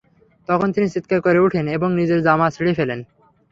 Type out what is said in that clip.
তখন তিনি চিৎকার করে উঠেন এবং নিজের জামা ছিড়ে ফেলেন।